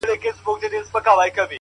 نظم د هدفونو ساتونکی دی،